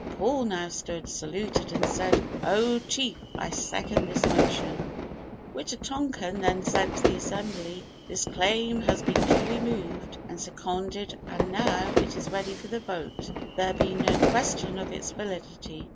Paul now stood, saluted and said, "Oh Chief! I second this motion." Wita tonkan then said to the assembly, "This claim has been duly moved and seconded and now, it is ready for the vote, there being no question of its validity.